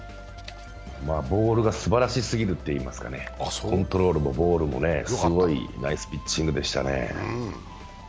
ボールがすばらしすぎるといいますか、コントロールもボールもすごいナイスピッチングでしたね。